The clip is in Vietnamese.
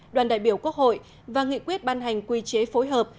đoàn đại biểu quốc hội và nghị quyết ban hành quy chế phối hợp